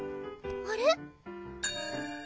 あれ？